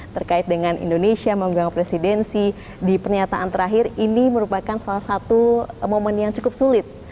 terkait dengan indonesia mengganggu presidensi di pernyataan terakhir ini merupakan salah satu momen yang cukup sulit